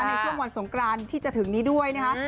ในช่วงวันสงกรานที่จะถึงนี้ด้วยนะคะ